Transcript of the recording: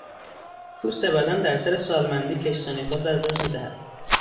پوست بدن در اثر سالمندی، کشسانی خود را از دست میدهد.